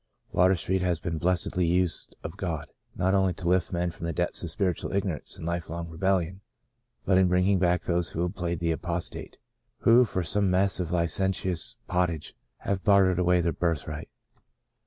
WATER STREET has been bless edly used of God, not only to lift men from the depths of spiritual ignorance and lifelong rebellion, but in bringing back those who have played the apostate — who for some mess of licentious pottage have bartered away their birthright.